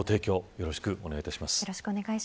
よろしくお願いします。